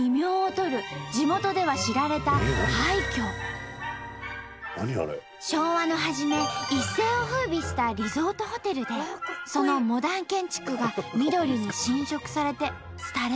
地元では知られた昭和の初め一世をふうびしたリゾートホテルでそのモダン建築が緑に侵食されて廃れている。